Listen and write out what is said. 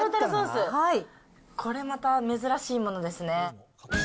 これまた珍しいものですね。